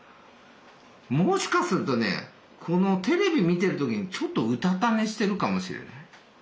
もしかするとねこのテレビ見てる時にちょっとうたた寝してるかもしれない。